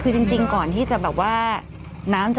กรมป้องกันแล้วก็บรรเทาสาธารณภัยนะคะ